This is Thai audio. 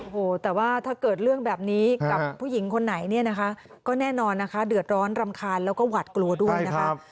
โหถ้าเกิดเรื่องแบบนี้กับผู้หญิงคนไหนก็แน่นอนเดือดร้อนรำคาญแล้วก็หวัดโกรธด้วยนะครับ